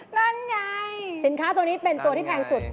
นั่นไงสินค้าตัวนี้เป็นตัวที่แพงสุด